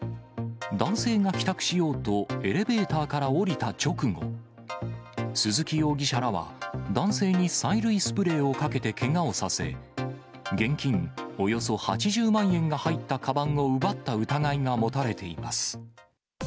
男性が帰宅しようとエレベーターから降りた直後、鈴木容疑者らは男性に催涙スプレーをかけてけがをさせ、現金およそ８０万円が入ったかばんを奪った疑いが持たれています。